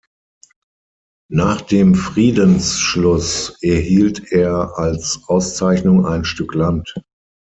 Nach dem Friedensschluss erhielt er als Auszeichnung ein Stück Land.